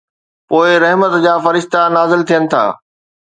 پوءِ رحمت جا فرشتا نازل ٿين ٿا.